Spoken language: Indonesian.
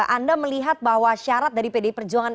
anda melihat bahwa syarat dari pdi perjuangan